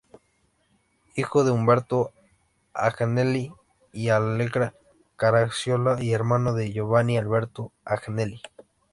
Hijo de Umberto Agnelli y Allegra Caracciolo, y hermano de Giovanni Alberto Agnelli.